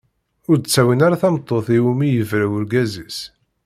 Ur d-ttawin ara tameṭṭut iwumi i yebra urgaz-is.